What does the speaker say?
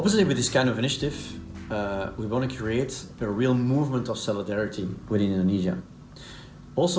dengan inisiatif ini kami ingin membuat pergerakan yang benar tentang kekerasan di indonesia